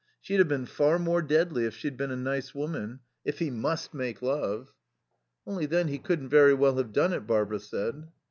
She'd have been far more deadly if she'd been a nice woman. If he must make love." "Only then he couldn't very well have done it," Barbara said.